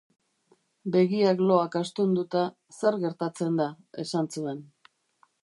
Begiak loak astunduta, Zer gertatzen da, esan zuen.